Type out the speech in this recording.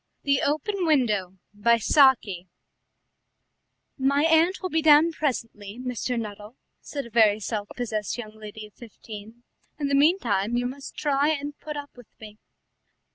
THE OPEN WINDOW "My aunt will be down presently, Mr. Nuttel," said a very self possessed young lady of fifteen; "in the meantime you must try and put up with me."